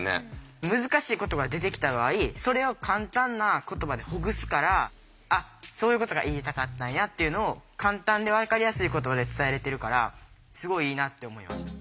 難しい言葉出てきた場合それを簡単な言葉でほぐすから「あっそういうことが言いたかったんや」っていうのを簡単でわかりやすい言葉で伝えられてるからすごいいいなって思いました。